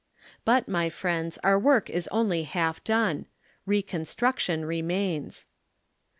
But, my friends, our work is only half done ; reconstruc tion remains.